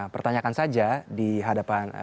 pertanyakan saja di hadapan